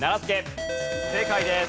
正解です。